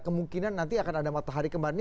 kemungkinan nanti akan ada matahari kembali